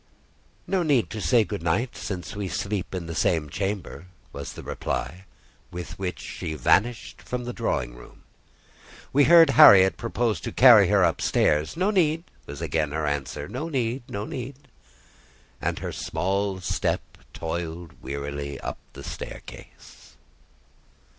"No need to say good night, since we sleep in the same chamber," was the reply, with which she vanished from the drawing room. We heard Harriet propose to carry her up stairs. "No need," was again her answer—"no need, no need:" and her small step toiled wearily up the staircase.